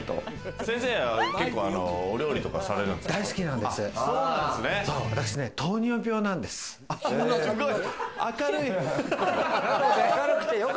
先生は結構、料理とかされるんですか？